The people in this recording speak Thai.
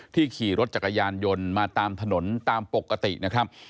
ขี่รถจักรยานยนต์มาตามถนนตามปกตินะครับ